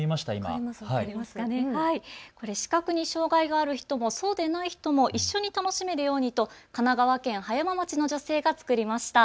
視覚に障害がある人もそうでない人も一緒に楽しめるようにと神奈川県葉山町の女性が作りました。